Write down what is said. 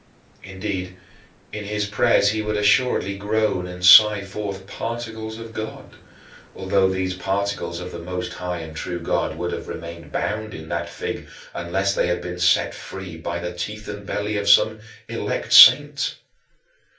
Indeed, in his prayers he would assuredly groan and sigh forth particles of God, although these particles of the most high and true God would have remained bound in that fig unless they had been set free by the teeth and belly of some "elect saint"!